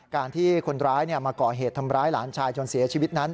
การที่คนร้ายมาก่อเหตุทำร้ายหลานชายจนเสียชีวิตนั้น